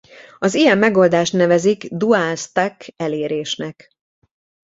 Az ilyen megoldást nevezik dual-stack elérésnek.